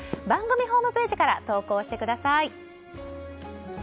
番組ホームページから投稿してください。